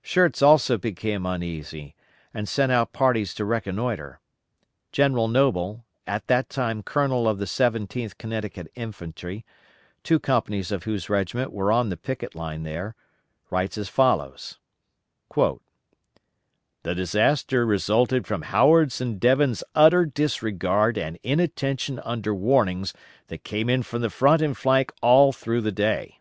Schurz also became uneasy and sent out parties to reconnoitre. General Noble, at that time Colonel of the Seventeenth Connecticut Infantry, two companies of whose regiment were on the picket line there, writes as follows: "The disaster resulted from Howard's and Devens' utter disregard and inattention under warnings that came in from the front and flank all through the day.